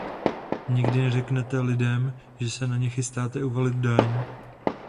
Nikdy neřeknete lidem, že se na ně chystáte uvalit daň.